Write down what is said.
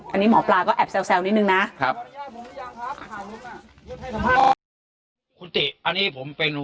อันนี้หมอปลาก็แอบแซวนิดนึงนะ